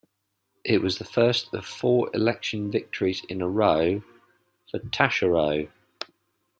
It was the first of four election victories in a row for Taschereau.